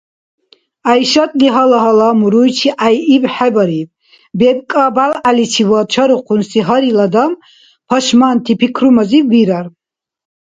ГӀяйшатли гьала-гьала муруйчи гӀяйиб хӀебариб: бебкӀа-бялгӀяличивад чарухъунси гьарил адам пашманти пикрумазив вирар.